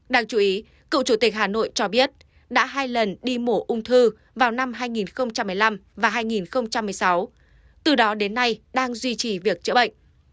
đáng chú ý cựu chủ tịch hà nội cho biết đã hai lần đi mổ ung thư vào năm hai nghìn một mươi năm và hai nghìn một mươi sáu từ đó đến nay đang duy trì việc chữa bệnh